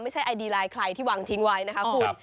ไอดีไลน์ใครที่วางทิ้งไว้นะคะคุณ